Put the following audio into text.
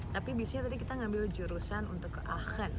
tapi biasanya tadi kita ambil jurusan untuk ke aachen